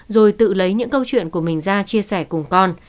rồi tự lấy những câu chuyện của mình ra chia sẻ cùng con